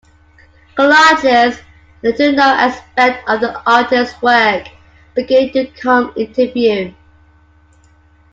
Collages, a little known aspect of the artist's work, begin to come into view.